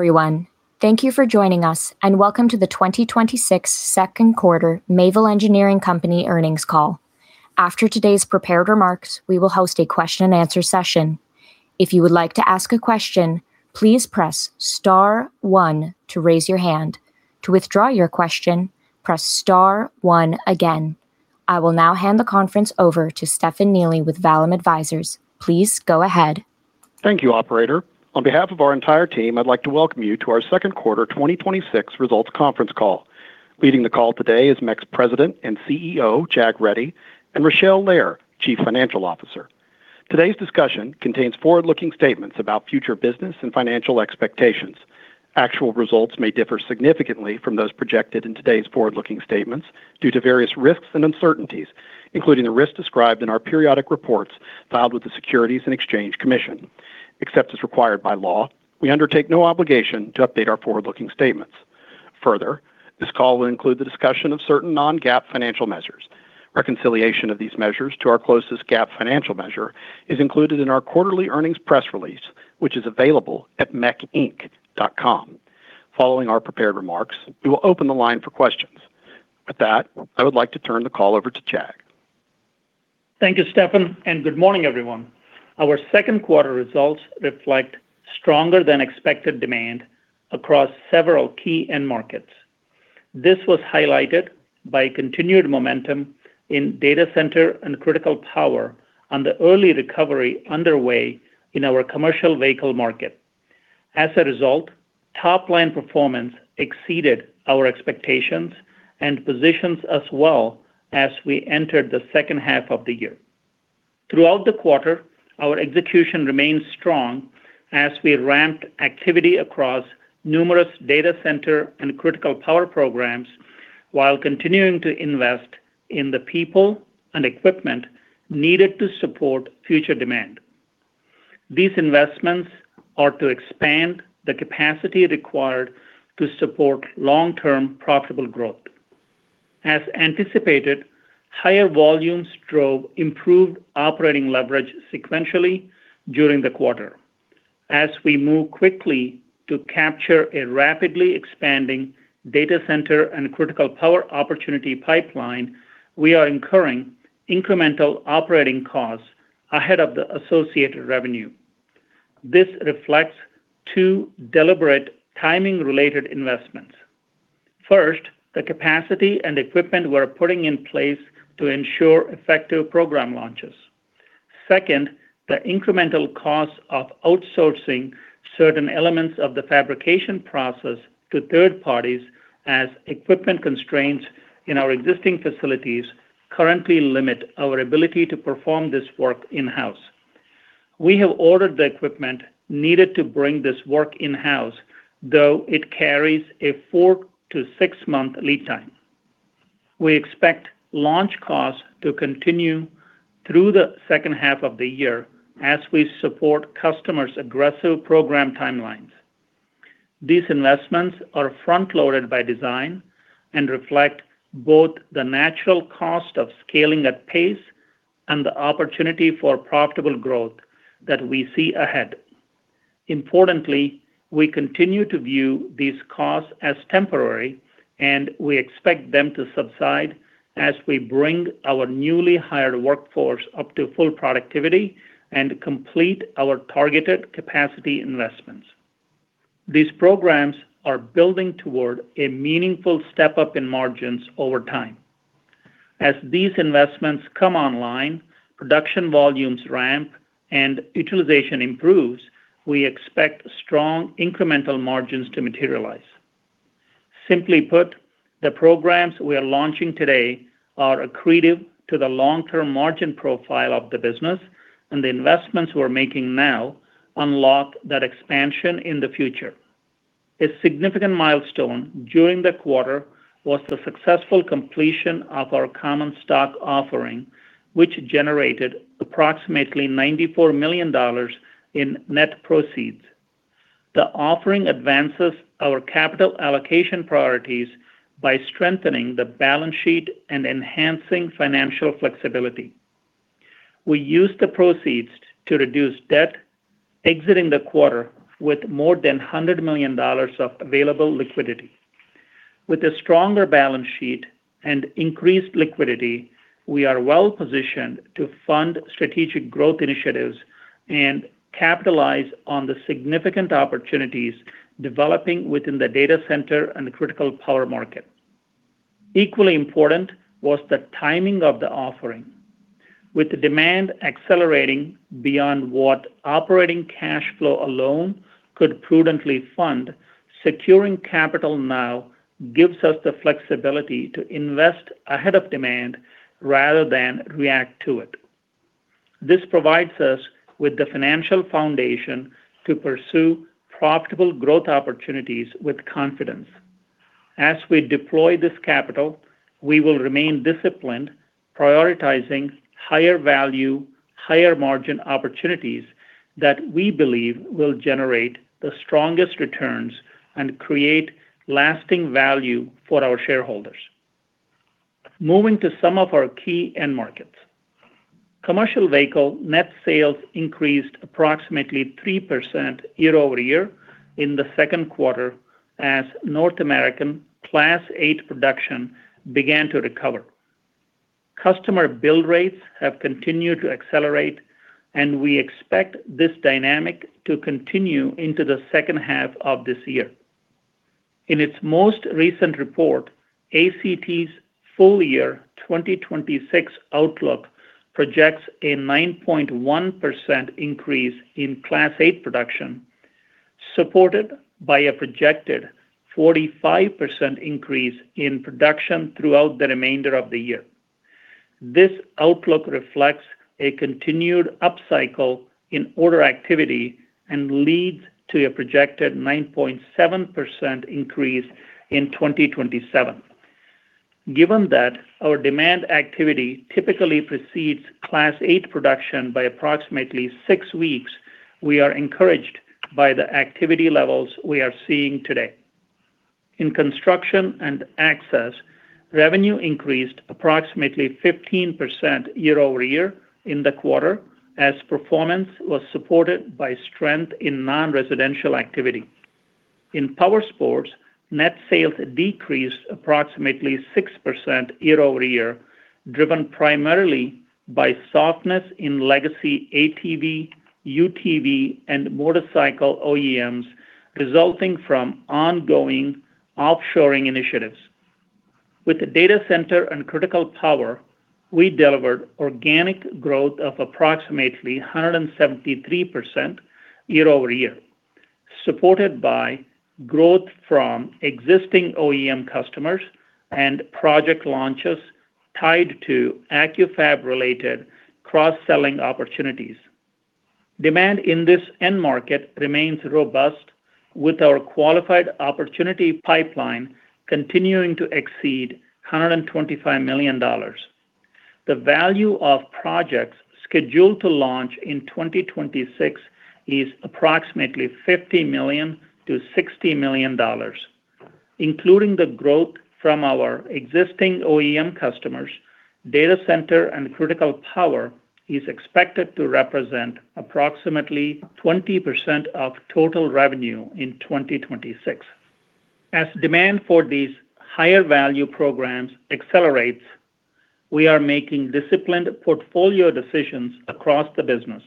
Everyone. Thank you for joining us, and welcome to the 2026 Second Quarter Mayville Engineering Company Earnings Call. After today's prepared remarks, we will host a question and answer session. If you would like to ask a question, please press star one to raise your hand. To withdraw your question, press star one again. I will now hand the conference over to Stefan Neely with Vallum Advisors. Please go ahead. Thank you, operator. On behalf of our entire team, I'd like to welcome you to our second quarter 2026 results conference call. Leading the call today is MEC's President and CEO, Jag Reddy, and Rachele Lehr, Chief Financial Officer. Today's discussion contains forward-looking statements about future business and financial expectations. Actual results may differ significantly from those projected in today's forward-looking statements due to various risks and uncertainties, including the risks described in our periodic reports filed with the Securities and Exchange Commission. Except as required by law, we undertake no obligation to update our forward-looking statements. This call will include the discussion of certain non-GAAP financial measures. Reconciliation of these measures to our closest GAAP financial measure is included in our quarterly earnings press release, which is available at mecinc.com. Following our prepared remarks, we will open the line for questions. With that, I would like to turn the call over to Jag. Thank you, Stefan. Good morning, everyone. Our second quarter results reflect stronger than expected demand across several key end markets. This was highlighted by continued momentum in data center and critical power on the early recovery underway in our commercial vehicle market. As a result, top-line performance exceeded our expectations and positions us well as we entered the second half of the year. Throughout the quarter, our execution remained strong as we ramped activity across numerous data center and critical power programs while continuing to invest in the people and equipment needed to support future demand. These investments are to expand the capacity required to support long-term profitable growth. As anticipated, higher volumes drove improved operating leverage sequentially during the quarter. As we move quickly to capture a rapidly expanding data center and critical power opportunity pipeline, we are incurring incremental operating costs ahead of the associated revenue. This reflects two deliberate timing-related investments. First, the capacity and equipment we're putting in place to ensure effective program launches. Second, the incremental cost of outsourcing certain elements of the fabrication process to third parties as equipment constraints in our existing facilities currently limit our ability to perform this work in-house. We have ordered the equipment needed to bring this work in-house, though it carries a four to six-month lead time. We expect launch costs to continue through the second half of the year as we support customers' aggressive program timelines. These investments are front-loaded by design and reflect both the natural cost of scaling at pace and the opportunity for profitable growth that we see ahead. Importantly, we continue to view these costs as temporary, and we expect them to subside as we bring our newly hired workforce up to full productivity and complete our targeted capacity investments. These programs are building toward a meaningful step-up in margins over time. As these investments come online, production volumes ramp, and utilization improves, we expect strong incremental margins to materialize. Simply put, the programs we are launching today are accretive to the long-term margin profile of the business, and the investments we're making now unlock that expansion in the future. A significant milestone during the quarter was the successful completion of our common stock offering, which generated approximately $94 million in net proceeds. The offering advances our capital allocation priorities by strengthening the balance sheet and enhancing financial flexibility. We used the proceeds to reduce debt, exiting the quarter with more than $100 million of available liquidity. With a stronger balance sheet and increased liquidity, we are well-positioned to fund strategic growth initiatives and capitalize on the significant opportunities developing within the data center and critical power market. Equally important was the timing of the offering. With demand accelerating beyond what operating cash flow alone could prudently fund, securing capital now gives us the flexibility to invest ahead of demand rather than react to it. This provides us with the financial foundation to pursue profitable growth opportunities with confidence. As we deploy this capital, we will remain disciplined, prioritizing higher value, higher margin opportunities that we believe will generate the strongest returns and create lasting value for our shareholders. Moving to some of our key end markets. Commercial vehicle net sales increased approximately 3% year-over-year in the second quarter as North American Class 8 production began to recover. Customer build rates have continued to accelerate, and we expect this dynamic to continue into the second half of this year. In its most recent report, ACT's full year 2026 outlook projects a 9.1% increase in Class 8 production, supported by a projected 45% increase in production throughout the remainder of the year. This outlook reflects a continued upcycle in order activity and leads to a projected 9.7% increase in 2027. Given that our demand activity typically precedes Class 8 production by approximately six weeks, we are encouraged by the activity levels we are seeing today. In construction and access, revenue increased approximately 15% year-over-year in the quarter as performance was supported by strength in non-residential activity. In powersports, net sales decreased approximately 6% year-over-year, driven primarily by softness in legacy ATV, UTV, and motorcycle OEMs, resulting from ongoing offshoring initiatives. With the data center and critical power, we delivered organic growth of approximately 173% year-over-year, supported by growth from existing OEM customers and project launches tied to Accu-Fab-related cross-selling opportunities. Demand in this end market remains robust, with our qualified opportunity pipeline continuing to exceed $125 million. The value of projects scheduled to launch in 2026 is approximately $50 million to $60 million, including the growth from our existing OEM customers. Data center and critical power is expected to represent approximately 20% of total revenue in 2026. As demand for these higher value programs accelerates, we are making disciplined portfolio decisions across the business.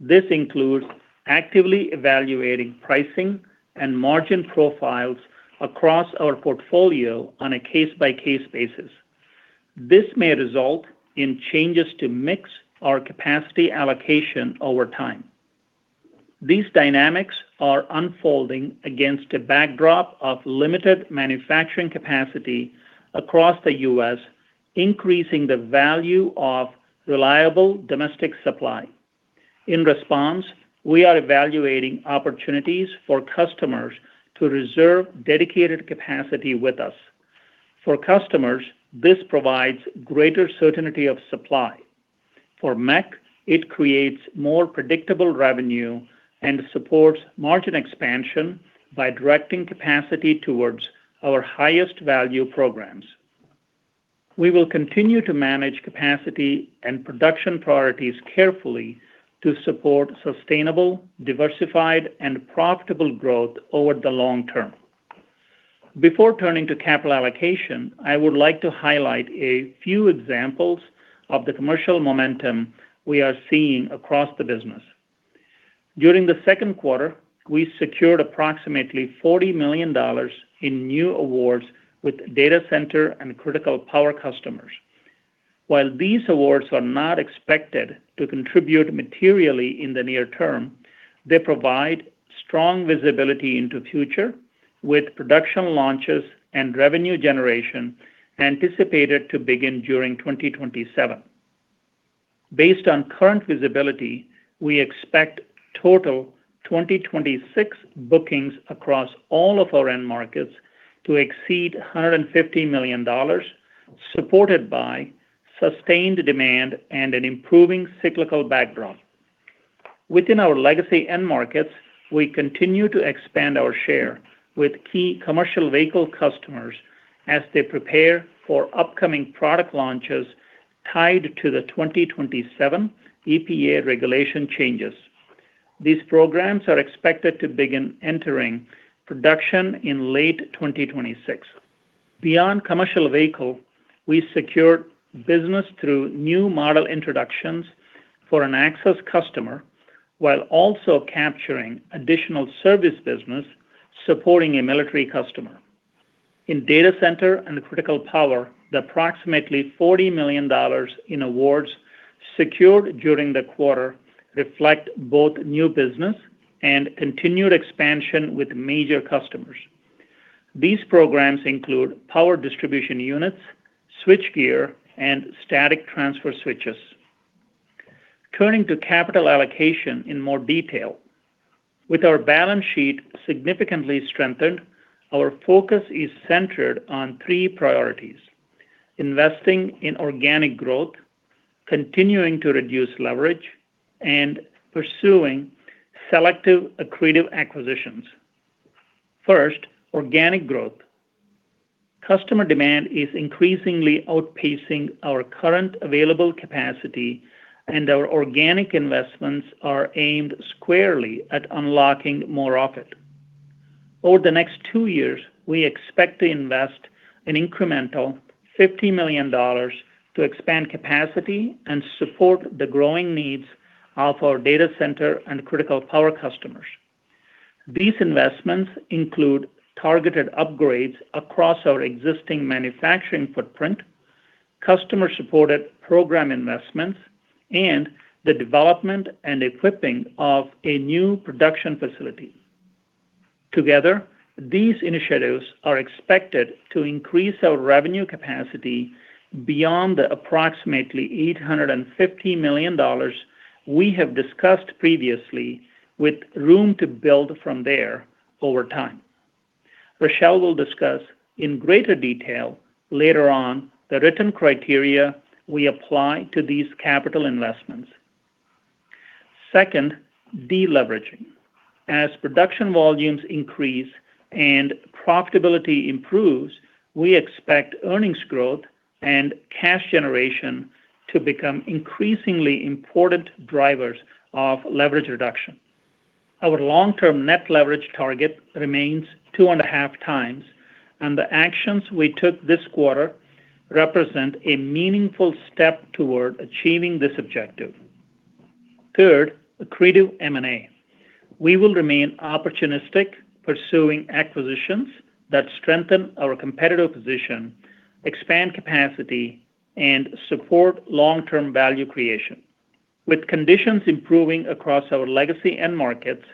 This includes actively evaluating pricing and margin profiles across our portfolio on a case-by-case basis. This may result in changes to mix or capacity allocation over time. These dynamics are unfolding against a backdrop of limited manufacturing capacity across the U.S., increasing the value of reliable domestic supply. In response, we are evaluating opportunities for customers to reserve dedicated capacity with us. For customers, this provides greater certainty of supply. For MEC, it creates more predictable revenue and supports margin expansion by directing capacity towards our highest value programs. We will continue to manage capacity and production priorities carefully to support sustainable, diversified, and profitable growth over the long term. Before turning to capital allocation, I would like to highlight a few examples of the commercial momentum we are seeing across the business. During the second quarter, we secured approximately $40 million in new awards with data center and critical power customers. While these awards are not expected to contribute materially in the near term, they provide strong visibility into future, with production launches and revenue generation anticipated to begin during 2027. Based on current visibility, we expect total 2026 bookings across all of our end markets to exceed $150 million, supported by sustained demand and an improving cyclical backdrop. Within our legacy end markets, we continue to expand our share with key commercial vehicle customers as they prepare for upcoming product launches tied to the 2027 EPA regulation changes. These programs are expected to begin entering production in late 2026. Beyond commercial vehicle, we secured business through new model introductions for an access customer, while also capturing additional service business supporting a military customer. In data center and critical power, the approximately $40 million in awards secured during the quarter reflect both new business and continued expansion with major customers. These programs include power distribution units, switchgear, and static transfer switches. Turning to capital allocation in more detail. With our balance sheet significantly strengthened, our focus is centered on three priorities: investing in organic growth, continuing to reduce leverage, and pursuing selective accretive acquisitions. First, organic growth. Customer demand is increasingly outpacing our current available capacity, and our organic investments are aimed squarely at unlocking more of it. Over the next two years, we expect to invest an incremental $50 million to expand capacity and support the growing needs of our data center and critical power customers. These investments include targeted upgrades across our existing manufacturing footprint, customer-supported program investments, and the development and equipping of a new production facility. Together, these initiatives are expected to increase our revenue capacity beyond the approximately $850 million we have discussed previously, with room to build from there over time. Rachele will discuss in greater detail later on the written criteria we apply to these capital investments. Second, deleveraging. As production volumes increase and profitability improves, we expect earnings growth and cash generation to become increasingly important drivers of leverage reduction. Our long-term net leverage target remains 2.5x, and the actions we took this quarter represent a meaningful step toward achieving this objective. Third, accretive M&A. We will remain opportunistic, pursuing acquisitions that strengthen our competitive position, expand capacity, and support long-term value creation. With conditions improving across our legacy end markets,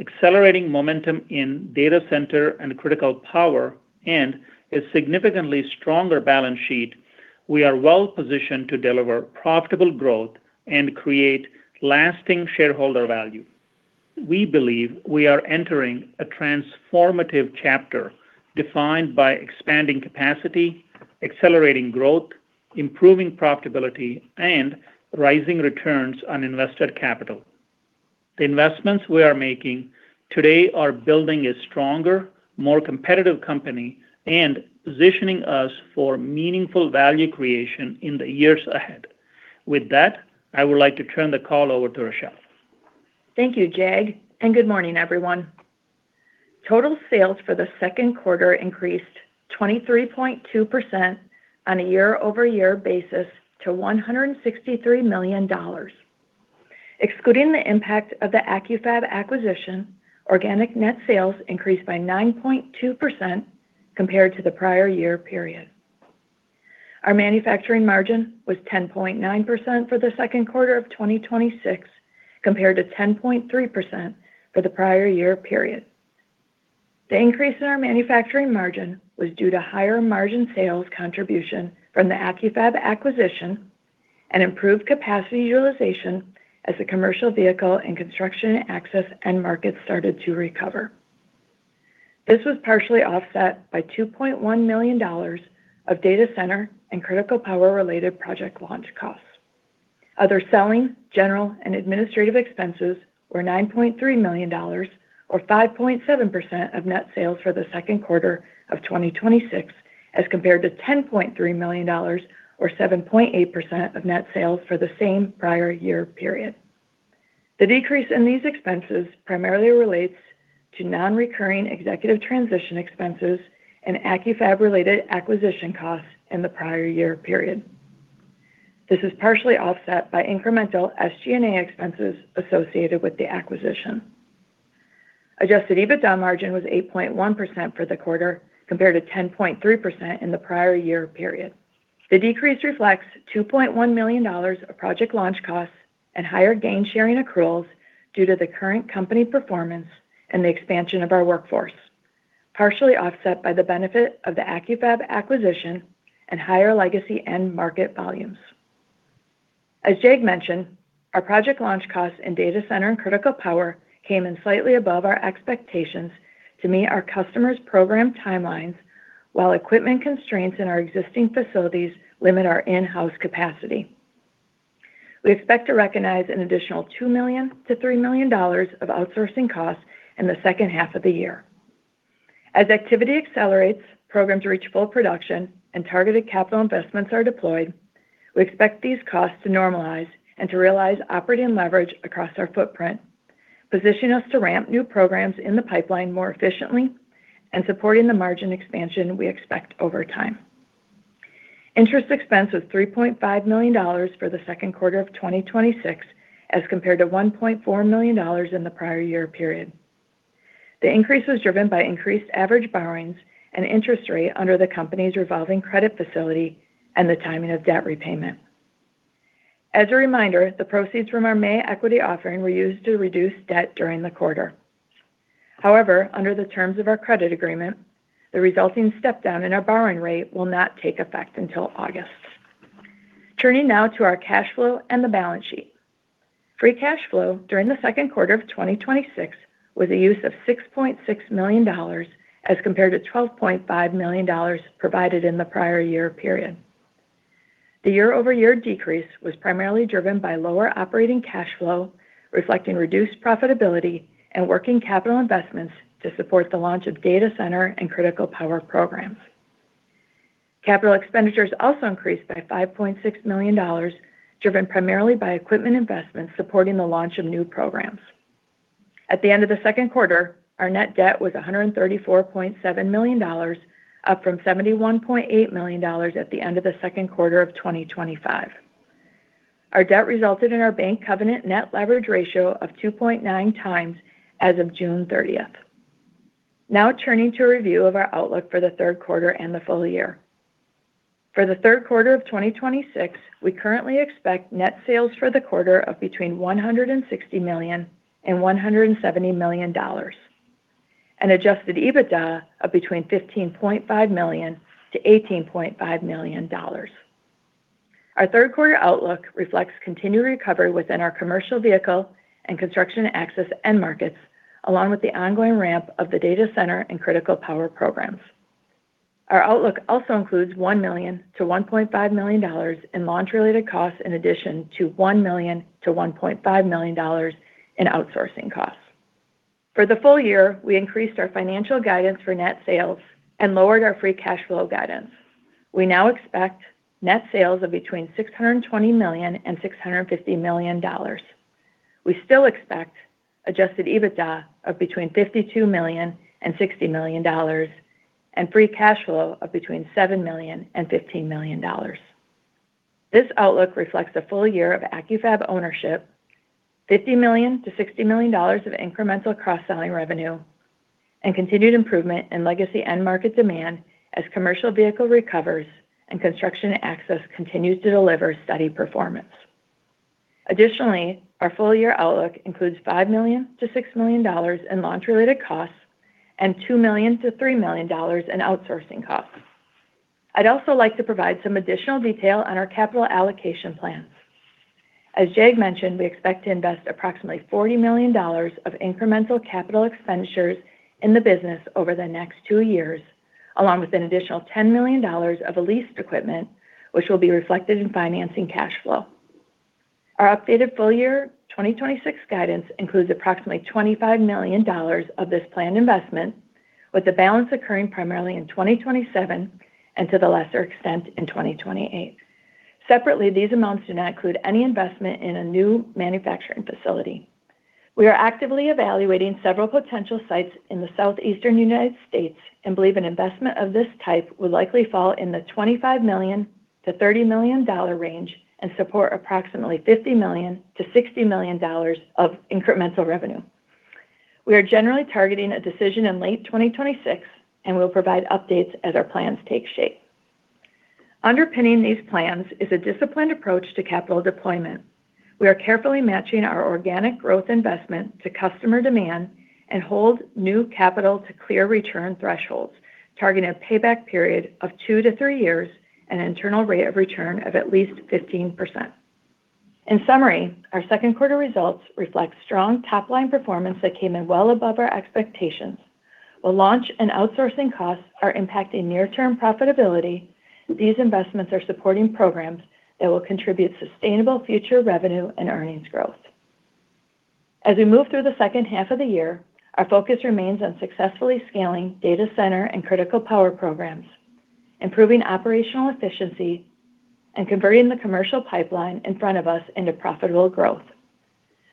accelerating momentum in data center and critical power, and a significantly stronger balance sheet, we are well-positioned to deliver profitable growth and create lasting shareholder value. We believe we are entering a transformative chapter defined by expanding capacity, accelerating growth, improving profitability, and rising returns on invested capital. The investments we are making today are building a stronger, more competitive company and positioning us for meaningful value creation in the years ahead. With that, I would like to turn the call over to Rachele. Thank you, Jag, and good morning, everyone. Total sales for the second quarter increased 23.2% on a year-over-year basis to $163 million. Excluding the impact of the Accu-Fab acquisition, organic net sales increased by 9.2% compared to the prior year period. Our manufacturing margin was 10.9% for the second quarter of 2026, compared to 10.3% for the prior year period. The increase in our manufacturing margin was due to higher margin sales contribution from the Accu-Fab acquisition and improved capacity utilization as the commercial vehicle and construction access end markets started to recover. This was partially offset by $2.1 million of data center and critical power-related project launch costs. Other selling, general, and administrative expenses were $9.3 million or 5.7% of net sales for the second quarter of 2026, as compared to $10.3 million or 7.8% of net sales for the same prior year period. The decrease in these expenses primarily relates to non-recurring executive transition expenses and Accu-Fab-related acquisition costs in the prior year period. This is partially offset by incremental SG&A expenses associated with the acquisition. Adjusted EBITDA margin was 8.1% for the quarter, compared to 10.3% in the prior year period. The decrease reflects $2.1 million of project launch costs and higher gain sharing accruals due to the current company performance and the expansion of our workforce, partially offset by the benefit of the Accu-Fab acquisition and higher legacy end market volumes. As Jag mentioned, our project launch costs in data center and critical power came in slightly above our expectations to meet our customers' program timelines while equipment constraints in our existing facilities limit our in-house capacity. We expect to recognize an additional $2 million to $3 million of outsourcing costs in the second half of the year. As activity accelerates, programs reach full production, and targeted Capital Expenditures are deployed, we expect these costs to normalize and to realize operating leverage across our footprint, position us to ramp new programs in the pipeline more efficiently, and supporting the margin expansion we expect over time. Interest expense was $3.5 million for the second quarter of 2026 as compared to $1.4 million in the prior year period. The increase was driven by increased average borrowings and interest rate under the company's revolving credit facility and the timing of debt repayment. As a reminder, the proceeds from our May equity offering were used to reduce debt during the quarter. Under the terms of our credit agreement, the resulting step-down in our borrowing rate will not take effect until August. Turning now to our cash flow and the balance sheet. Free cash flow during the second quarter of 2026 was a use of $6.6 million as compared to $12.5 million provided in the prior year period. The year-over-year decrease was primarily driven by lower operating cash flow, reflecting reduced profitability and working capital investments to support the launch of Data Center and Critical Power Programs. Capital Expenditures also increased by $5.6 million, driven primarily by equipment investments supporting the launch of new programs. At the end of the second quarter, our net debt was $134.7 million, up from $71.8 million at the end of the second quarter of 2025. Our debt resulted in our bank covenant net leverage ratio of 2.9x as of June 30th. Turning to a review of our outlook for the third quarter and the full year. For the third quarter of 2026, we currently expect net sales for the quarter of between $160 million-$170 million, and adjusted EBITDA of between $15.5 million-$18.5 million. Our third quarter outlook reflects continued recovery within our commercial vehicle and construction access end markets, along with the ongoing ramp of the Data Center and Critical Power Programs. Our outlook also includes $1 million-$1.5 million in launch-related costs, in addition to $1 million-$1.5 million in outsourcing costs. For the full year, we increased our financial guidance for net sales and lowered our free cash flow guidance. We now expect net sales of between $620 million-$650 million. We still expect adjusted EBITDA of between $52 million-$60 million, and free cash flow of between $7 million-$15 million. This outlook reflects a full year of Accu-Fab ownership, $50 million-$60 million of incremental cross-selling revenue, and continued improvement in legacy end market demand as commercial vehicle recovers and construction access continues to deliver steady performance. Our full year outlook includes $5 million-$6 million in launch-related costs and $2 million-$3 million in outsourcing costs. I'd also like to provide some additional detail on our capital allocation plans. As Jag mentioned, we expect to invest approximately $40 million of incremental Capital Expenditures in the business over the next two years, along with an additional $10 million of leased equipment, which will be reflected in financing cash flow. Our updated full year 2026 guidance includes approximately $25 million of this planned investment, with the balance occurring primarily in 2027 and to the lesser extent in 2028. Separately, these amounts do not include any investment in a new manufacturing facility. We are actively evaluating several potential sites in the Southeastern U.S. and believe an investment of this type would likely fall in the $25 million-$30 million range and support approximately $50 million-$60 million of incremental revenue. We are generally targeting a decision in late 2026, and we will provide updates as our plans take shape. Underpinning these plans is a disciplined approach to capital deployment. We are carefully matching our organic growth investment to customer demand and hold new capital to clear return thresholds, targeting a payback period of two to three years and an internal rate of return of at least 15%. In summary, our second quarter results reflect strong top-line performance that came in well above our expectations. While launch and outsourcing costs are impacting near-term profitability, these investments are supporting programs that will contribute sustainable future revenue and earnings growth. As we move through the second half of the year, our focus remains on successfully scaling data center and critical power programs, improving operational efficiency, and converting the commercial pipeline in front of us into profitable growth.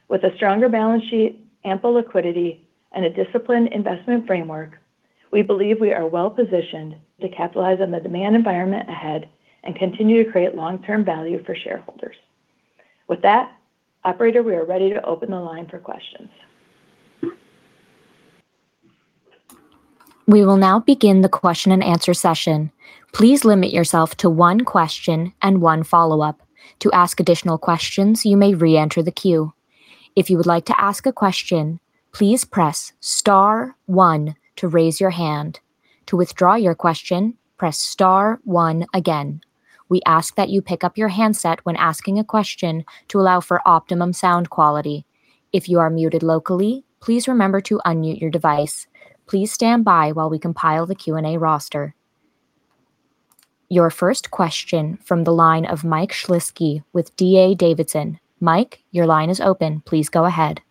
With a stronger balance sheet, ample liquidity, and a disciplined investment framework, we believe we are well-positioned to capitalize on the demand environment ahead and continue to create long-term value for shareholders. With that, operator, we are ready to open the line for questions. We will now begin the question and answer session. Please limit yourself to one question and one follow-up. To ask additional questions, you may reenter the queue. If you would like to ask a question, please press star one to raise your hand. To withdraw your question, press star one again. We ask that you pick up your handset when asking a question to allow for optimum sound quality. If you are muted locally, please remember to unmute your device. Please stand by while we compile the Q&A roster. Your first question from the line of Mike Shlisky with D.A. Davidson. Mike, your line is open. Please go ahead.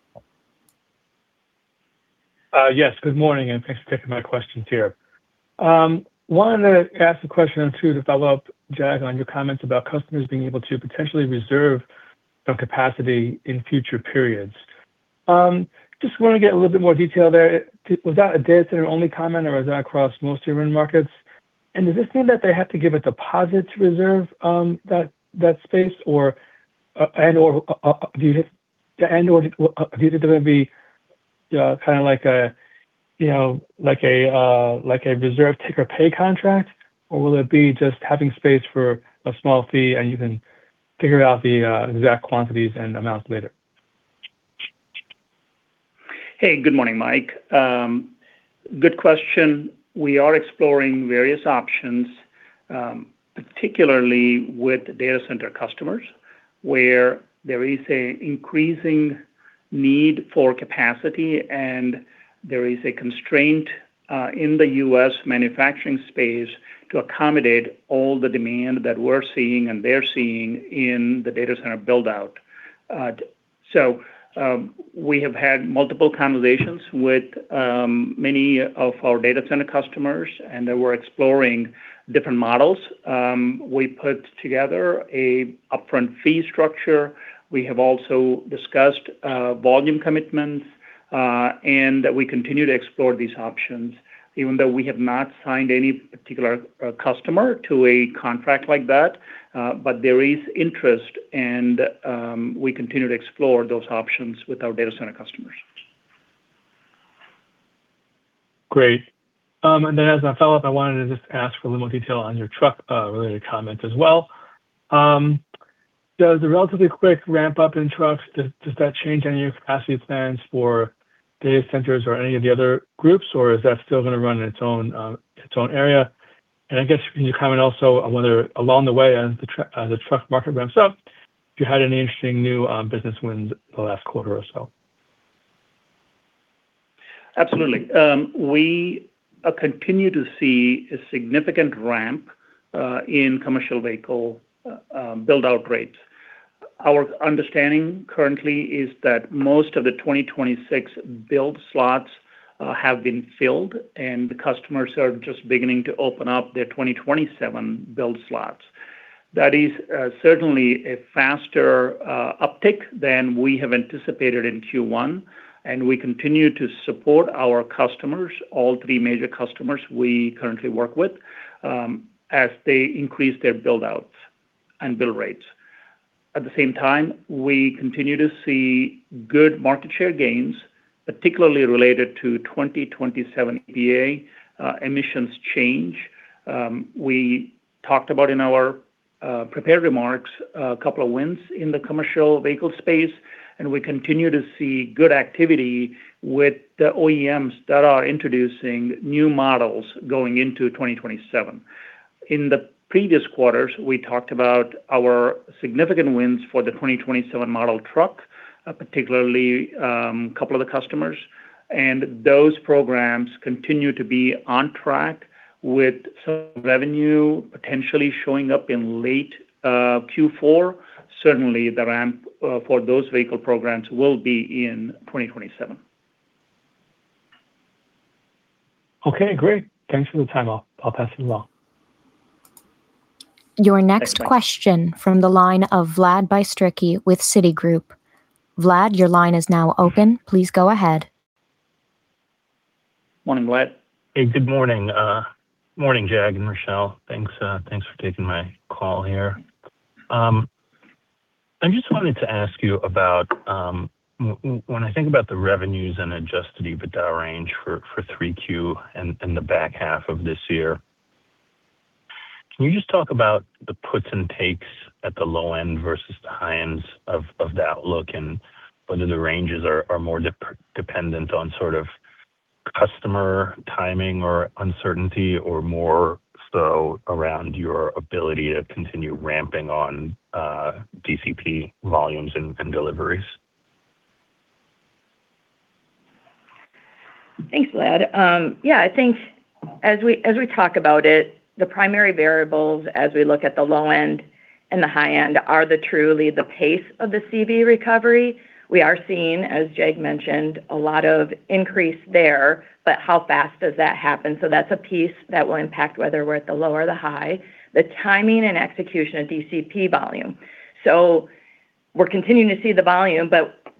Yes, good morning, and thanks for taking my questions here. I wanted to ask a question and two to follow up, Jag, on your comments about customers being able to potentially reserve some capacity in future periods. Just want to get a little bit more detail there. Was that a data center-only comment, or is that across most end markets? Does this mean that they have to give a deposit to reserve that space? Or is it going to be like a reserve take or pay contract? Or will it be just having space for a small fee and you can figure out the exact quantities and amounts later? Hey, good morning, Mike. Good question. We are exploring various options, particularly with data center customers, where there is an increasing need for capacity. There is a constraint in the U.S. manufacturing space to accommodate all the demand that we're seeing and they're seeing in the data center build-out. We have had multiple conversations with many of our data center customers. They were exploring different models. We put together an upfront fee structure. We have also discussed volume commitments. We continue to explore these options, even though we have not signed any particular customer to a contract like that. There is interest, and we continue to explore those options with our data center customers. Great. As my follow-up, I wanted to just ask for a little more detail on your truck-related comments as well. Does the relatively quick ramp-up in trucks, does that change any of your capacity plans for data centers or any of the other groups, or is that still going to run in its own area? I guess, can you comment also on whether along the way, as the truck market ramps up, if you had any interesting new business wins the last quarter or so? Absolutely. We continue to see a significant ramp in commercial vehicle build-out rates. Our understanding currently is that most of the 2026 build slots have been filled. The customers are just beginning to open up their 2027 build slots. That is certainly a faster uptick than we have anticipated in Q1. We continue to support our customers, all three major customers we currently work with, as they increase their build-outs and build rates. At the same time, we continue to see good market share gains, particularly related to 2027 EPA emissions change. We talked about in our prepared remarks, a couple of wins in the commercial vehicle space. We continue to see good activity with the OEMs that are introducing new models going into 2027. In the previous quarters, we talked about our significant wins for the 2027 model truck, particularly a couple of the customers. Those programs continue to be on track with some revenue potentially showing up in late Q4. Certainly, the ramp for those vehicle programs will be in 2027. Okay, great. Thanks for the time. I'll pass it along. Your next question from the line of Vlad Bystricky with Citigroup. Vlad, your line is now open. Please go ahead. Morning, Vlad. Hey, good morning. Morning, Jag and Rachele. Thanks for taking my call here. I just wanted to ask you about, when I think about the revenues and adjusted EBITDA range for 3Q and the back half of this year, can you just talk about the puts and takes at the low end versus the high end of the outlook, and whether the ranges are more dependent on customer timing or uncertainty or more so around your ability to continue ramping on DCP volumes and deliveries? Thanks, Vlad. Yeah, I think as we talk about it, the primary variables as we look at the low end and the high end are truly the pace of the CV recovery. We are seeing, as Jag mentioned, a lot of increase there, how fast does that happen? That's a piece that will impact whether we're at the low or the high. The timing and execution of DCP volume. We're continuing to see the volume,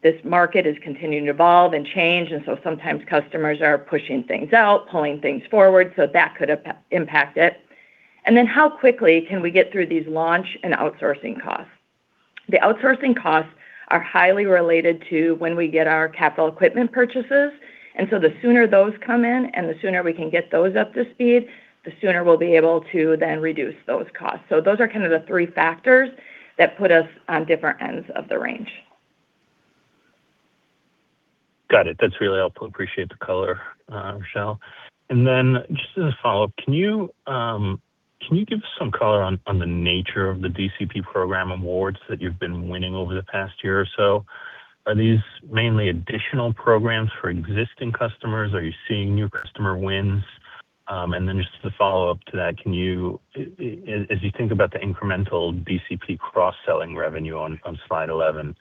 this market is continuing to evolve and change, sometimes customers are pushing things out, pulling things forward, so that could impact it. How quickly can we get through these launch and outsourcing costs? The outsourcing costs are highly related to when we get our capital equipment purchases. The sooner those come in and the sooner we can get those up to speed, the sooner we'll be able to then reduce those costs. Those are kind of the three factors that put us on different ends of the range. Got it. That's really helpful. Appreciate the color, Rachele. Just as a follow-up, can you give some color on the nature of the DCP program awards that you've been winning over the past year or so? Are these mainly additional programs for existing customers? Are you seeing new customer wins? Just as a follow-up to that, as you think about the incremental DCP cross-selling revenue on slide 11,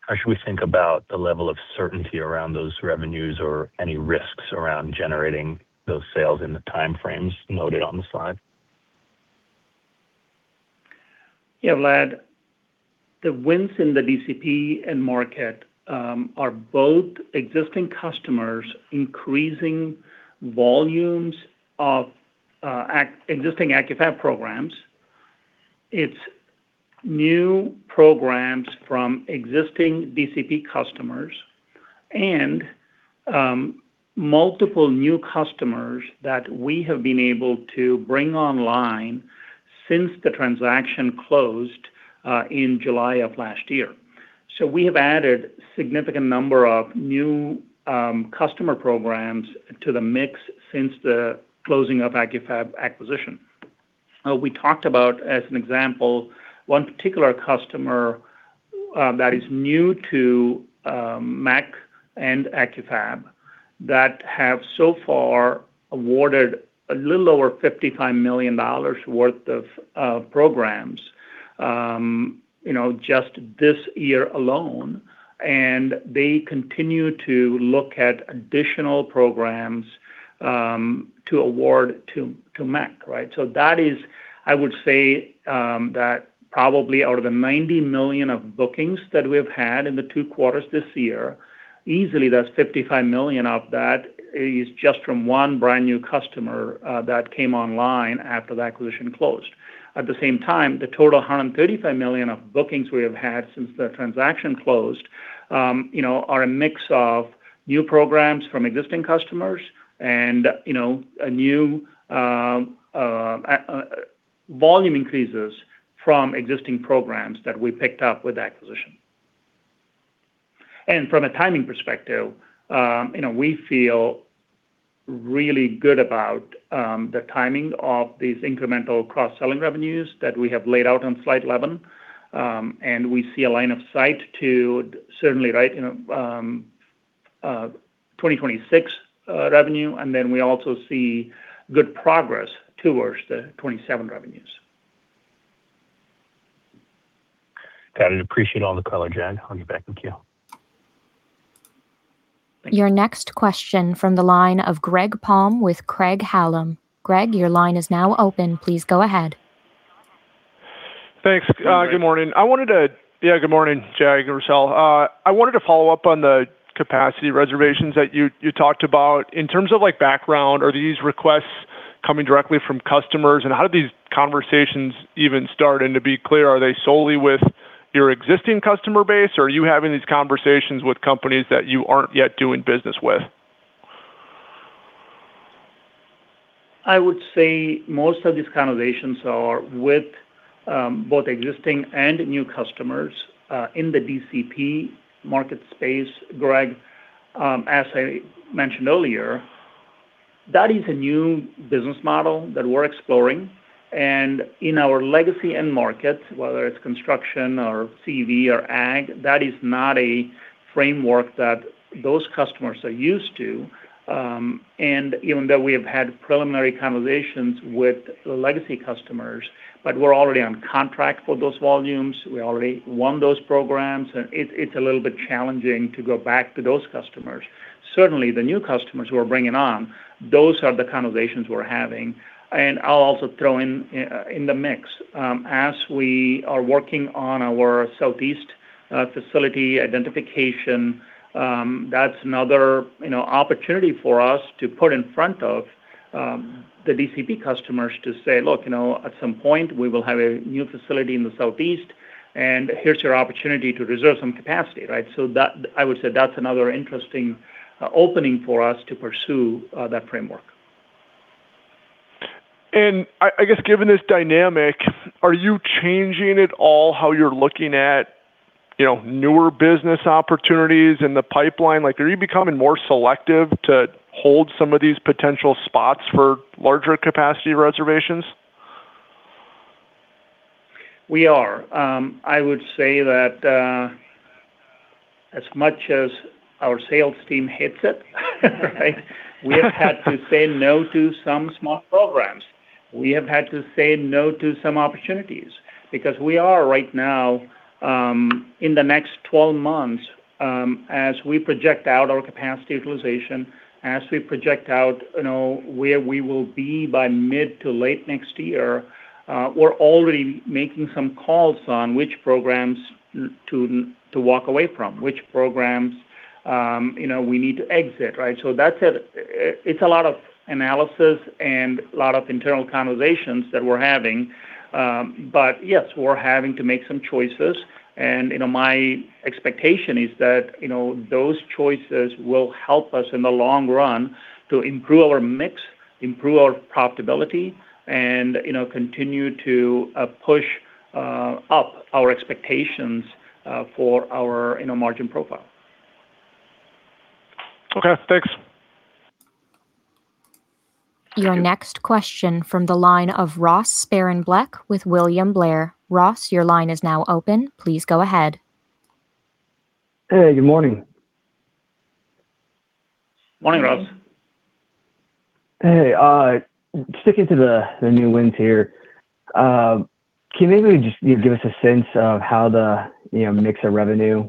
how should we think about the level of certainty around those revenues or any risks around generating those sales in the time frames noted on the slide? Vlad. The wins in the DCP end market are both existing customers increasing volumes of existing Accu-Fab programs. It's new programs from existing DCP customers and multiple new customers that we have been able to bring online since the transaction closed in July of last year. We have added significant number of new customer programs to the mix since the closing of Accu-Fab acquisition. We talked about, as an example, one particular customer that is new to MEC and Accu-Fab that have so far awarded a little over $55 million worth of programs just this year alone. They continue to look at additional programs to award to MEC, right. That is, I would say, that probably out of the $90 million of bookings that we've had in the two quarters this year, easily that's $55 million of that is just from one brand-new customer that came online after the acquisition closed. At the same time, the total $135 million of bookings we have had since the transaction closed are a mix of new programs from existing customers and a new volume increases from existing programs that we picked up with acquisition. From a timing perspective, we feel really good about the timing of these incremental cross-selling revenues that we have laid out on slide 11. We see a line of sight to certainly, right, 2026 revenue, we also see good progress towards the 2027 revenues. Got it. Appreciate all the color, Jag. I'll get back in queue. Your next question from the line of Greg Palm with Craig-Hallum. Greg, your line is now open. Please go ahead. Thanks. Hey, Greg. Yeah, good morning, Jag and Rachele. I wanted to follow up on the capacity reservations that you talked about. In terms of background, are these requests coming directly from customers, and how do these conversations even start? To be clear, are they solely with your existing customer base, or are you having these conversations with companies that you aren't yet doing business with? I would say most of these conversations are with both existing and new customers, in the DCP market space, Greg. As I mentioned earlier, that is a new business model that we're exploring. In our legacy end markets, whether it's construction or CV or ag, that is not a framework that those customers are used to. Even though we have had preliminary conversations with the legacy customers, but we're already on contract for those volumes, we already won those programs, and it's a little bit challenging to go back to those customers. Certainly, the new customers who we're bringing on, those are the conversations we're having. I'll also throw in the mix, as we are working on our Southeast facility identification, that's another opportunity for us to put in front of the DCP customers to say, "Look, at some point, we will have a new facility in the Southeast, and here's your opportunity to reserve some capacity." Right? I would say that's another interesting opening for us to pursue that framework. I guess given this dynamic, are you changing at all how you're looking at newer business opportunities in the pipeline? Are you becoming more selective to hold some of these potential spots for larger capacity reservations? We are. I would say that as much as our sales team hates it, right? We have had to say no to some small programs. We have had to say no to some opportunities. We are right now, in the next 12 months, as we project out our capacity utilization, as we project out where we will be by mid to late next year, we're already making some calls on which programs to walk away from, which programs we need to exit, right? It's a lot of analysis and a lot of internal conversations that we're having. Yes, we're having to make some choices. My expectation is that those choices will help us in the long run to improve our mix, improve our profitability, and continue to push up our expectations for our margin profile. Okay, thanks. Your next question from the line of Ross Sparenblek with William Blair. Ross, your line is now open. Please go ahead. Hey, good morning. Morning, Ross. Hey. Sticking to the new wins here. Can you maybe just give us a sense of how the mix of revenue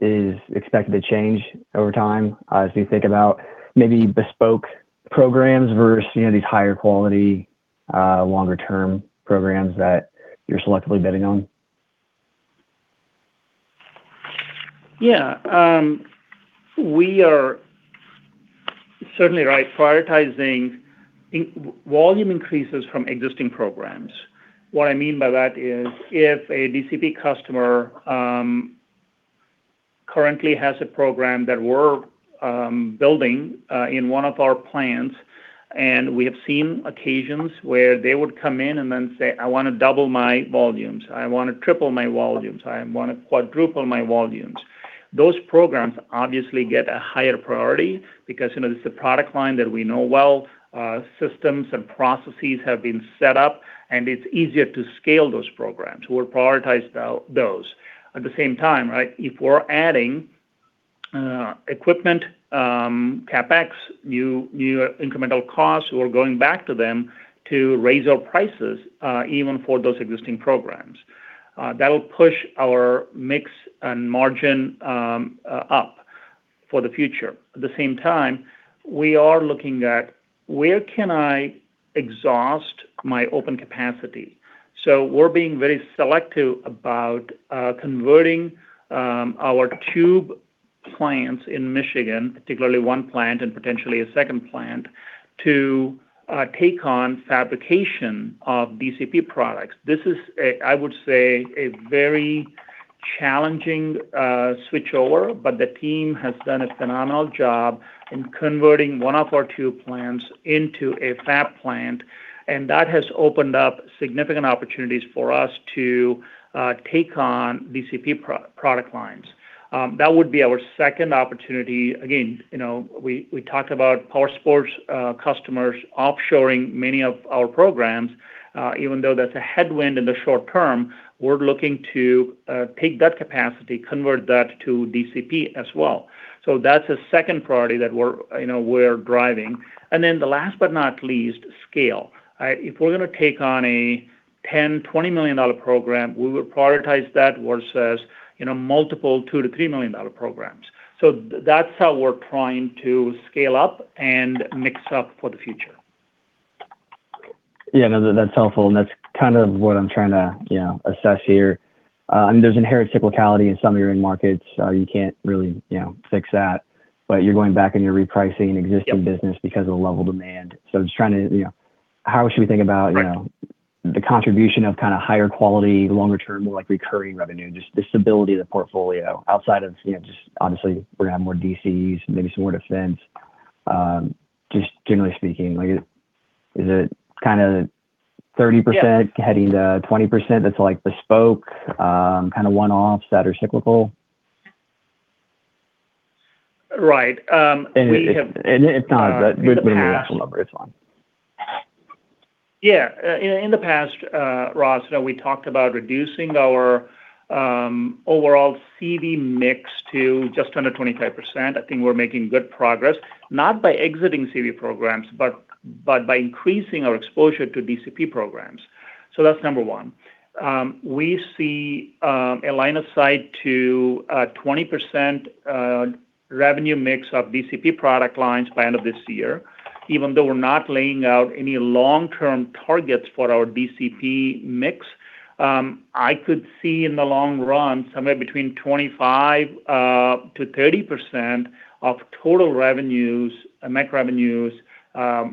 is expected to change over time as you think about maybe bespoke programs versus these higher quality, longer term programs that you're selectively bidding on? Yeah. We are certainly right prioritizing volume increases from existing programs. What I mean by that is if a DCP customer currently has a program that we're building in one of our plants, we have seen occasions where they would come in and then say, "I want to double my volumes, I want to triple my volumes, I want to quadruple my volumes." Those programs obviously get a higher priority because it's a product line that we know well. Systems and processes have been set up, and it's easier to scale those programs. We'll prioritize those. At the same time, right, if we're adding equipment, CapEx, new incremental costs, we're going back to them to raise our prices, even for those existing programs. That'll push our mix and margin up for the future. At the same time, we are looking at where can I exhaust my open capacity? We're being very selective about converting our tube plants in Michigan, particularly one plant and potentially a second plant, to take on fabrication of DCP products. This is, I would say, a very challenging switchover, but the team has done a phenomenal job in converting one of our two plants into a fab plant, and that has opened up significant opportunities for us to take on DCP product lines. That would be our second opportunity. Again, we talked about powersports customers offshoring many of our programs. Even though that's a headwind in the short term, we're looking to take that capacity, convert that to DCP as well. That's a second priority that we're driving. And then the last but not least, scale, right? If we're going to take on a $10 million, $20 million program, we would prioritize that versus multiple $2 million-$3 million programs. That's how we're trying to scale up and mix up for the future. Yeah, no, that's helpful, and that's kind of what I'm trying to assess here. There's inherent cyclicality in some of your end markets. You can't really fix that, but you're going back and you're repricing existing business- Yep because of the level of demand. Just trying to-- How should we think about the contribution of kind of higher quality, longer term, more like recurring revenue, just the stability of the portfolio outside of just obviously we're going to have more DCPs, maybe some more defense. Just generally speaking, is it kind of 30%- Yeah heading to 20% that's like bespoke, kind of one-offs that are cyclical? Right. It's not- In the past- We may need actual numbers. It's fine. Yeah. In the past, Ross, we talked about reducing our overall CV mix to just under 25%. I think we're making good progress, not by exiting CV programs, but by increasing our exposure to DCP programs. That's number one. We see a line of sight to a 20% revenue mix of DCP product lines by end of this year. Even though we're not laying out any long-term targets for our DCP mix, I could see in the long run, somewhere between 25%-30% of total revenues, MEC revenues,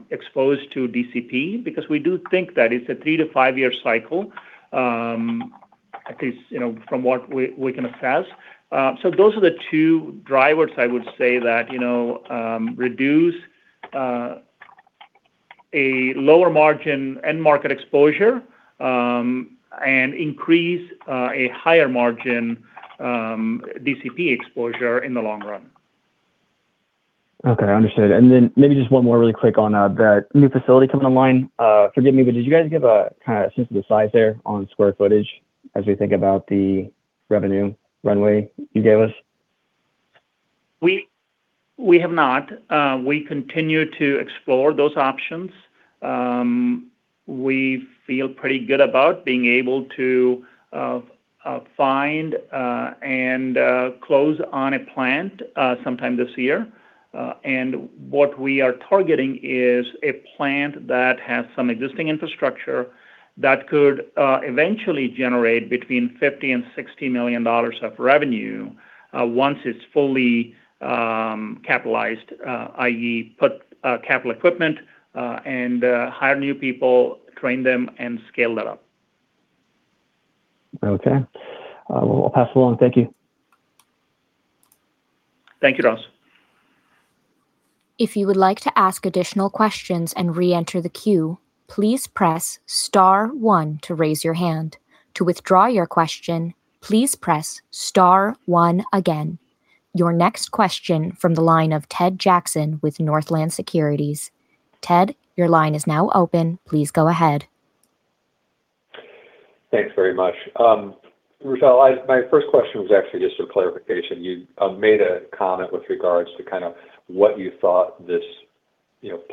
exposed to DCP, because we do think that it's a three to five-year cycle, at least from what we can assess. Those are the two drivers I would say that reduce a lower margin end market exposure, and increase a higher margin DCP exposure in the long run. Okay, understood. Then maybe just one more really quick on that new facility coming online. Forgive me, but did you guys give a kind of a sense of the size there on square footage as we think about the revenue runway you gave us? We have not. We continue to explore those options. We feel pretty good about being able to find and close on a plant sometime this year. What we are targeting is a plant that has some existing infrastructure that could eventually generate between $50 million and $60 million of revenue once it's fully capitalized, i.e., put capital equipment and hire new people, train them, and scale that up. Okay. Well, I'll pass along. Thank you. Thank you, Ross. If you would like to ask additional questions and reenter the queue, please press star one to raise your hand. To withdraw your question, please press star one again. Your next question from the line of Ted Jackson with Northland Securities. Ted, your line is now open. Please go ahead. Thanks very much. Rachele, my first question was actually just for clarification. You made a comment with regards to kind of what you thought this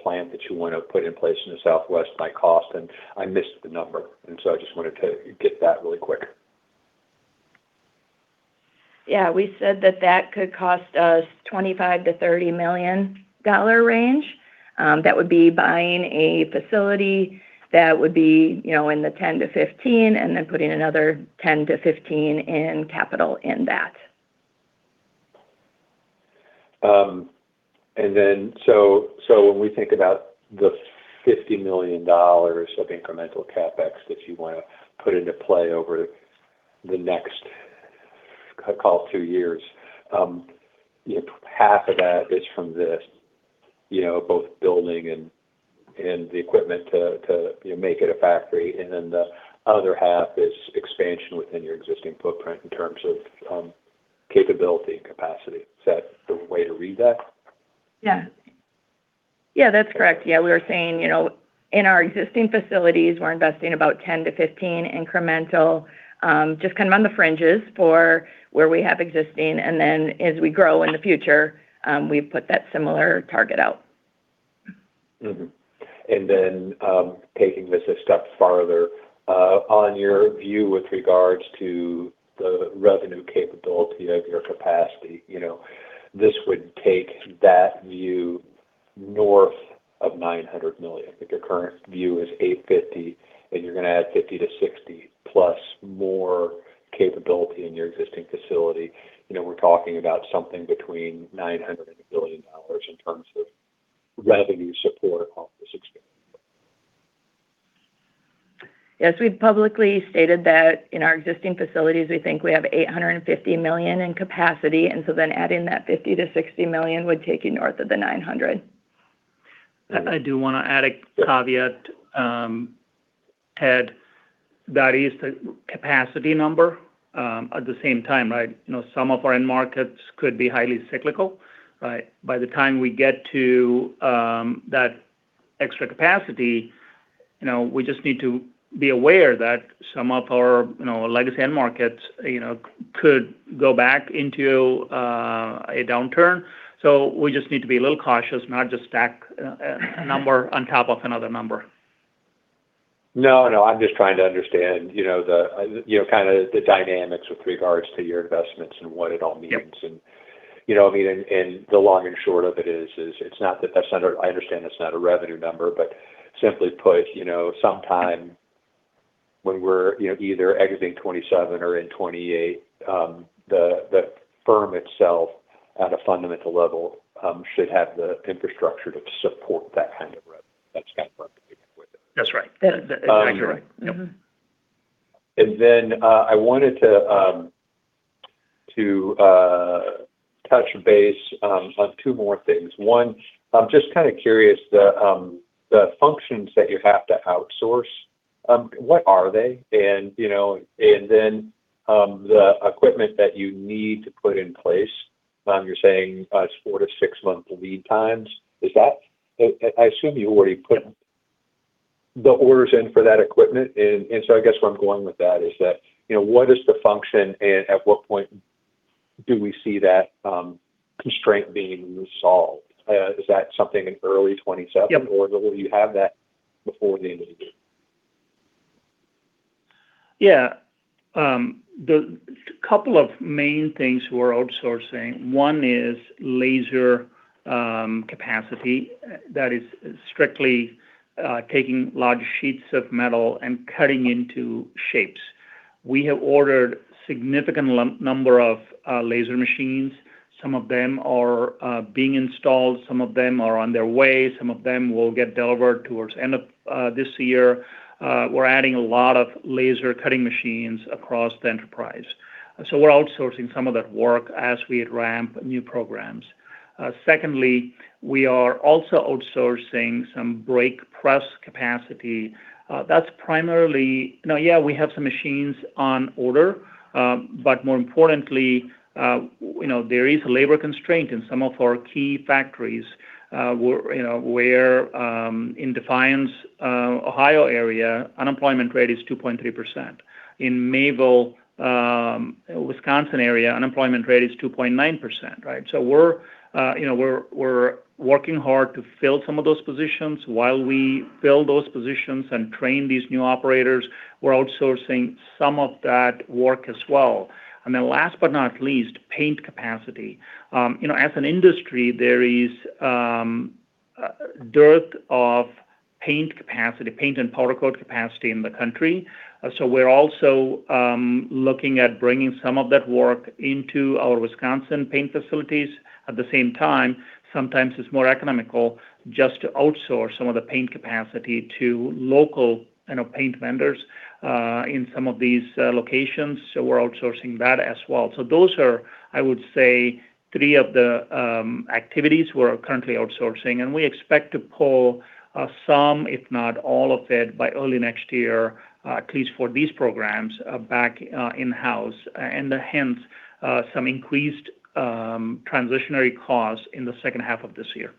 plant that you want to put in place in the Southwest might cost, and so I just wanted to get that really quick. We said that that could cost us $25 million-$30 million range. That would be buying a facility that would be in the $10 million-$15 million, and then putting another $10 million-$15 million in capital in that. When we think about the $50 million of incremental CapEx that you want to put into play over the next, call it two years, half of that is from this Both building and the equipment to make it a factory. The other half is expansion within your existing footprint in terms of capability and capacity. Is that the way to read that? That's correct. We were saying, in our existing facilities, we're investing about $10 million-$15 million incremental just on the fringes for where we have existing. As we grow in the future, we've put that similar target out. Taking this a step farther, on your view with regards to the revenue capability of your capacity, this would take that view north of $900 million. I think your current view is $850 million, and you're going to add $50 million-$60 million-plus more capability in your existing facility. We're talking about something between $900 million and $1 billion in terms of revenue support of this expansion. Yes. We've publicly stated that in our existing facilities, we think we have $850 million in capacity. Adding that $50 million-$60 million would take you north of the $900. I do want to add a caveat, Ted. That is the capacity number. At the same time, some of our end markets could be highly cyclical. By the time we get to that extra capacity, we just need to be aware that some of our legacy end markets could go back into a downturn. We just need to be a little cautious, not just stack a number on top of another number. No, I'm just trying to understand the dynamics with regards to your investments and what it all means. Yep. The long and short of it is, I understand that's not a revenue number, but simply put, sometime when we're either exiting 2027 or in 2028, the firm itself, at a fundamental level, should have the infrastructure to support that kind of revenue, that kind of market. That's right. Exactly right. Yep. I wanted to touch base on two more things. One, I'm just curious, the functions that you have to outsource, what are they? The equipment that you need to put in place, you're saying it's four to six-month lead times. I assume you've already put the orders in for that equipment. I guess where I'm going with that is, what is the function, and at what point do we see that constraint being solved? Is that something in early 2027? Yep Will you have that before the end of the year? Yeah. The couple of main things we're outsourcing, one is laser capacity that is strictly taking large sheets of metal and cutting into shapes. We have ordered significant number of laser machines. Some of them are being installed, some of them are on their way, some of them will get delivered towards end of this year. We're adding a lot of laser-cutting machines across the enterprise. We're outsourcing some of that work as we ramp new programs. Secondly, we are also outsourcing some brake press capacity. Yeah, we have some machines on order. More importantly, there is a labor constraint in some of our key factories. Where in Defiance, Ohio area, unemployment rate is 2.3%. In Mayville, Wisconsin area, unemployment rate is 2.9%. We're working hard to fill some of those positions. While we fill those positions and train these new operators, we're outsourcing some of that work as well. Last but not least, paint capacity. As an industry, there is a dearth of paint and powder coat capacity in the country. We're also looking at bringing some of that work into our Wisconsin paint facilities. At the same time, sometimes it's more economical just to outsource some of the paint capacity to local paint vendors in some of these locations. We're outsourcing that as well. Those are, I would say, three of the activities we're currently outsourcing, and we expect to pull some, if not all of it, by early next year, at least for these programs, back in-house. Hence, some increased transitionary costs in the second half of this year.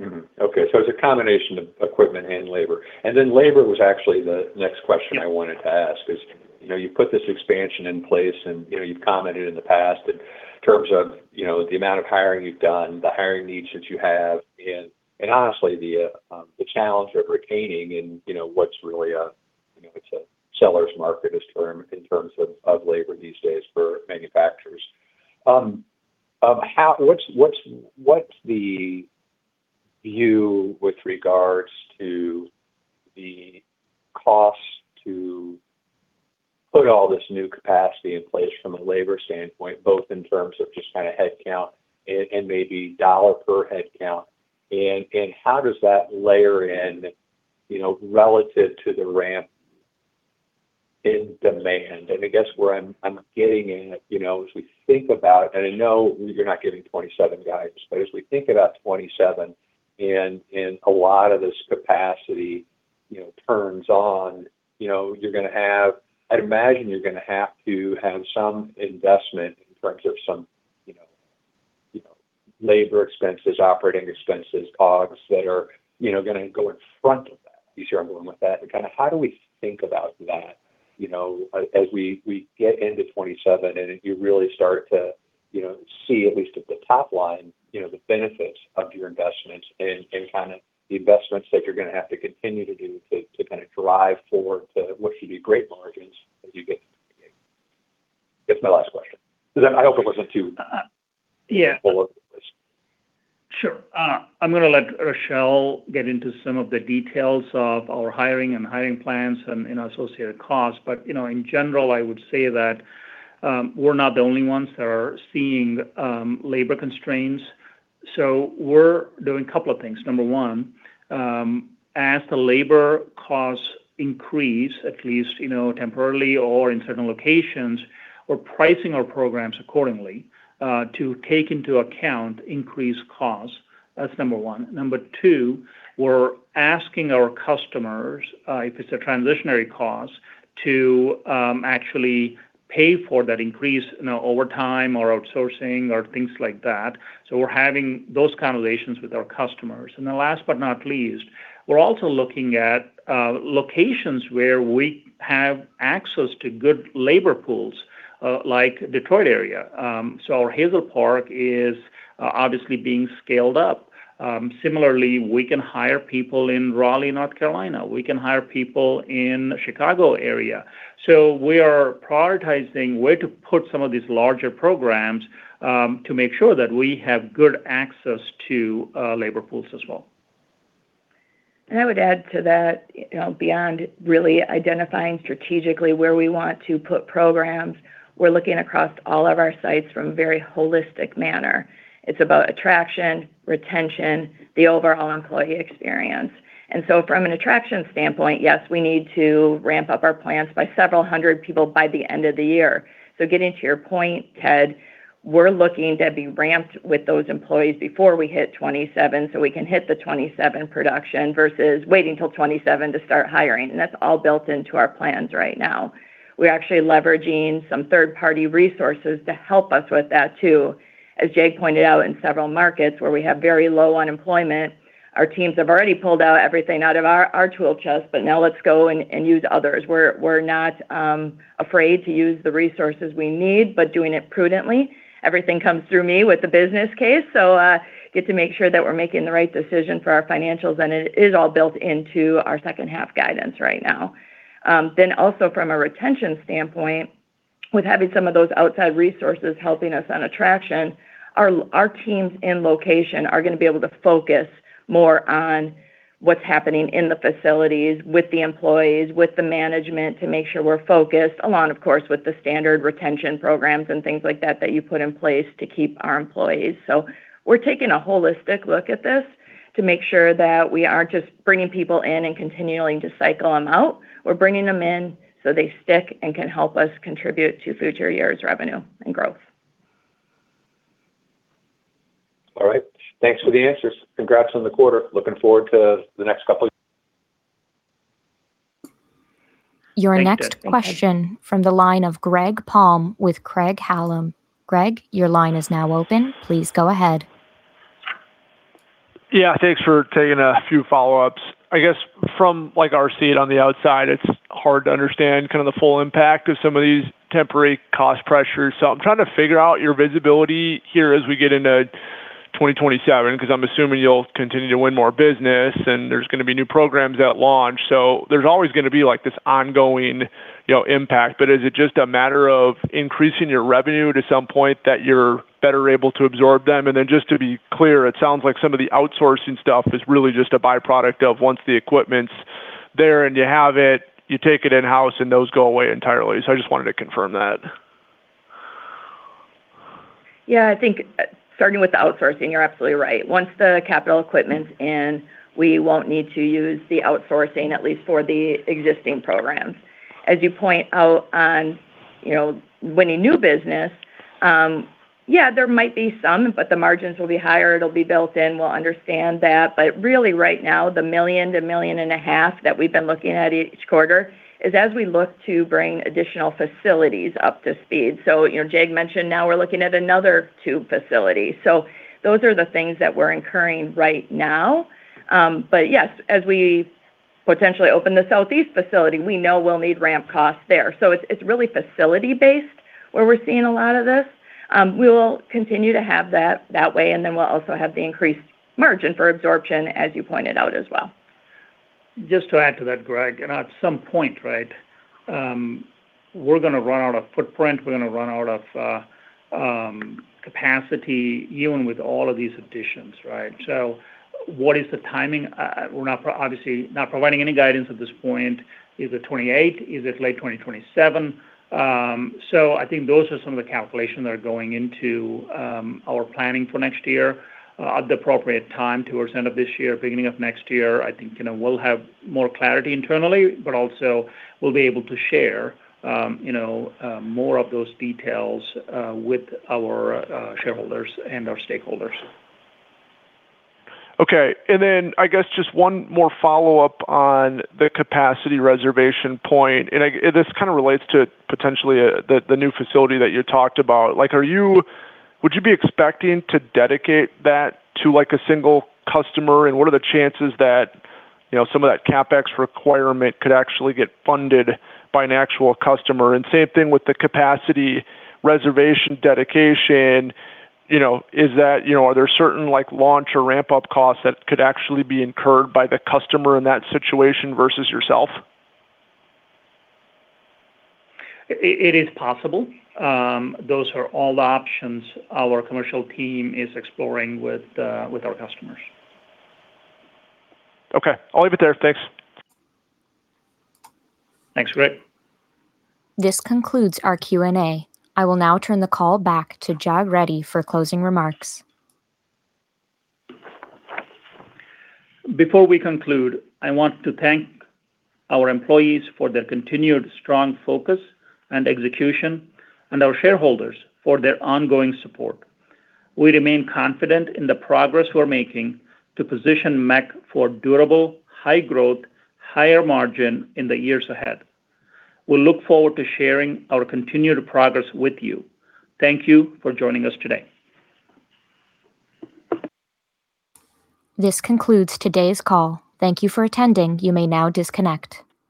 Mm-hmm. Okay. It's a combination of equipment and labor. Labor was actually the next question I wanted to ask is, you've put this expansion in place and you've commented in the past in terms of the amount of hiring you've done, the hiring needs that you have, and honestly, the challenge of retaining in what's really a seller's market in terms of labor these days for manufacturers. What's the view with regards to the cost to put all this new capacity in place from a labor standpoint, both in terms of just headcount and maybe dollar per headcount, and how does that layer in relative to the ramp In demand. I guess where I'm getting at, as we think about it, and I know you're not giving 2027 guidance, but as we think about 2027 and a lot of this capacity turns on, I'd imagine you're going to have to have some investment in front of some labor expenses, operating expenses, SG&A, that are going to go in front of that. You see where I'm going with that? How do we think about that, as we get into 2027 and you really start to see at least at the top line, the benefits of your investments and the investments that you're going to have to continue to do to drive forward to what should be great margins as you get to 2028? It's my last question. I hope it wasn't. Yeah bulleted. Sure. I'm going to let Rachele get into some of the details of our hiring and hiring plans and associated costs. In general, I would say that we're not the only ones that are seeing labor constraints. We're doing a couple of things. Number one, as the labor costs increase, at least temporarily or in certain locations, we're pricing our programs accordingly, to take into account increased costs. That's number one. Number two, we're asking our customers, if it's a transitionary cost, to actually pay for that increase in overtime or outsourcing or things like that. We're having those conversations with our customers. Last but not least, we're also looking at locations where we have access to good labor pools, like Detroit area. Our Hazel Park is obviously being scaled up. Similarly, we can hire people in Raleigh, North Carolina. We can hire people in Chicago area. We are prioritizing where to put some of these larger programs, to make sure that we have good access to labor pools as well. I would add to that, beyond really identifying strategically where we want to put programs, we're looking across all of our sites from a very holistic manner. It's about attraction, retention, the overall employee experience. From an attraction standpoint, yes, we need to ramp up our plans by several hundred people by the end of the year. Getting to your point, Ted, we're looking to be ramped with those employees before we hit 2027, so we can hit the 2027 production versus waiting till 2027 to start hiring. That's all built into our plans right now. We're actually leveraging some third-party resources to help us with that, too. As Jag pointed out, in several markets where we have very low unemployment, our teams have already pulled out everything out of our tool chest, but now let's go and use others. We're not afraid to use the resources we need, but doing it prudently. Everything comes through me with the business case, so get to make sure that we're making the right decision for our financials, and it is all built into our second half guidance right now. Also from a retention standpoint, with having some of those outside resources helping us on attraction, our teams in location are going to be able to focus more on what's happening in the facilities, with the employees, with the management, to make sure we're focused, along, of course, with the standard retention programs and things like that you put in place to keep our employees. We're taking a holistic look at this to make sure that we aren't just bringing people in and continuing to cycle them out. We're bringing them in so they stick and can help us contribute to future years' revenue and growth. All right. Thanks for the answers. Congrats on the quarter. Looking forward to the next couple. Your next question from the line of Greg Palm with Craig-Hallum. Greg, your line is now open. Please go ahead. Yeah. Thanks for taking a few follow-ups. I guess from our seat on the outside, it's hard to understand kind of the full impact of some of these temporary cost pressures. I'm trying to figure out your visibility here as we get into 2027, because I'm assuming you'll continue to win more business and there's going to be new programs at launch. There's always going to be this ongoing impact, but is it just a matter of increasing your revenue to some point that you're better able to absorb them? Just to be clear, it sounds like some of the outsourcing stuff is really just a byproduct of once the equipment's there and you have it, you take it in-house and those go away entirely. I just wanted to confirm that. Yeah, I think starting with the outsourcing, you're absolutely right. Once the capital equipment's in, we won't need to use the outsourcing, at least for the existing programs. As you point out on winning new business, yeah, there might be some, but the margins will be higher. It'll be built in. We'll understand that. Really right now, the $1 million-$1.5 million that we've been looking at each quarter is as we look to bring additional facilities up to speed. Jag mentioned now we're looking at another two facilities. Those are the things that we're incurring right now. Yes, as we potentially open the Southeast facility, we know we'll need ramp costs there. It's really facility-based where we're seeing a lot of this. We will continue to have that that way, and then we'll also have the increased margin for absorption, as you pointed out as well. Just to add to that, Greg, at some point, we're going to run out of footprint. We're going to run out of capacity even with all of these additions. What is the timing? We're obviously not providing any guidance at this point. Is it 2028? Is it late 2027? I think those are some of the calculations that are going into our planning for next year. At the appropriate time, towards the end of this year, beginning of next year, I think we'll have more clarity internally, but also we'll be able to share more of those details with our shareholders and our stakeholders. Okay. I guess just one more follow-up on the capacity reservation point, and this kind of relates to potentially the new facility that you talked about. Would you be expecting to dedicate that to a single customer, and what are the chances that some of that CapEx requirement could actually get funded by an actual customer? Same thing with the capacity reservation dedication. Are there certain launch or ramp-up costs that could actually be incurred by the customer in that situation versus yourself? It is possible. Those are all options our commercial team is exploring with our customers. Okay. I'll leave it there. Thanks. Thanks, Greg. This concludes our Q&A. I will now turn the call back to Jag Reddy for closing remarks. Before we conclude, I want to thank our employees for their continued strong focus and execution, and our shareholders for their ongoing support. We remain confident in the progress we're making to position MEC for durable, high growth, higher margin in the years ahead. We look forward to sharing our continued progress with you. Thank you for joining us today. This concludes today's call. Thank you for attending. You may now disconnect.